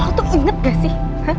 aku tuh inget gak sih